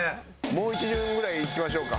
もう１巡ぐらいいきましょうか。